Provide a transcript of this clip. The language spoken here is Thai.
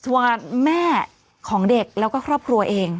ว่าแม่ของเด็กแล้วก็ครอบครัวเอง